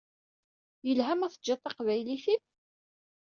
Yelha ma teǧǧiḍ taqbaylit-im?